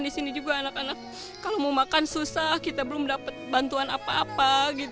di sini juga anak anak kalau mau makan susah kita belum dapat bantuan apa apa